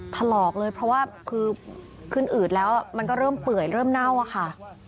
ถลอกเลยเพราะว่าคือขึ้นอืดแล้วมันก็เริ่มเปื่อยเริ่มเน่าอะค่ะ